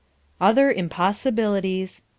V. Other Impossibilities 1.